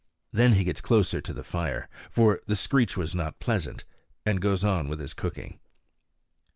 Then he gets closer to the fire, for the screech was not pleasant, and goes on with his cooking.